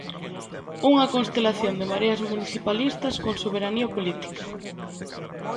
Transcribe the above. Unha constelación de mareas municipalistas con "soberanía política".